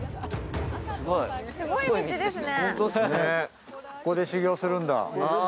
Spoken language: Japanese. すごい道ですね。